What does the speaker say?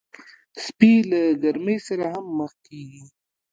سپي له ګرمۍ سره هم مخ کېږي.